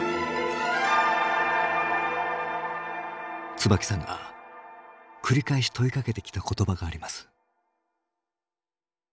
椿さんが繰り返し問いかけてきた言葉があります。